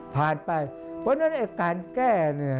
ไปเพราะฉะนั้นการแก้